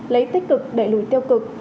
lấy tích cực đẩy lùi tiêu cực